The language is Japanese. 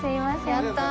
やったー！